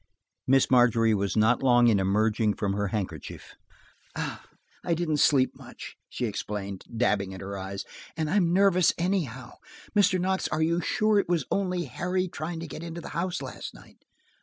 Miss Margery was not long in emerging from her handkerchief. "I didn't sleep much," she explained, dabbing at her eyes, "and I am nervous, anyhow. Mr. Knox, are you sure it was only Harry trying to get into the house last night